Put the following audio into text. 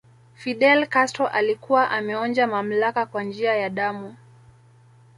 Fidel Castro alikuwa ameonja mamlaka kwa njia ya damu